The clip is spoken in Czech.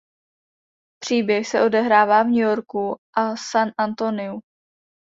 Příběh se odehrává v New Yorku a San Antoniu.